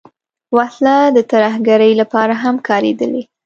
وسله د ترهګرۍ لپاره هم کارېدلې